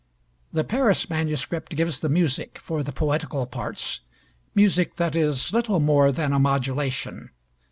The Paris manuscript gives the music for the poetical parts, music that is little more than a modulation.